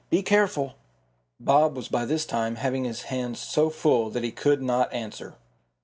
"Be careful." Bob was by this time having his hands so full that he could not answer.